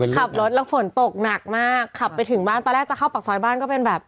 ขับรถแล้วฝนตกหนักมากขับไปถึงบ้านตอนแรกจะเข้าปากซอยบ้านก็เป็นแบบ